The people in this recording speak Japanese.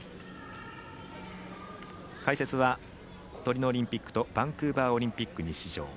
解説はトリノオリンピックとバンクーバーオリンピックに出場